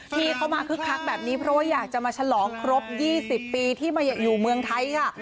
ที่เขามาคึกคักแบบนี้เพราะว่าอยากจะมาฉลองครบ๒๐ปีที่มาอยู่เมืองไทยค่ะ